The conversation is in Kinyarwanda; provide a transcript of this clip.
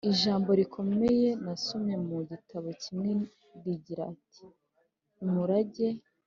ijambo rikomeye nasomye mu gitabo kimwe rigira riti: “Umurage